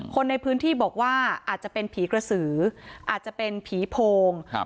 คนในพื้นที่บอกว่าอาจจะเป็นผีกระสืออาจจะเป็นผีโพงครับ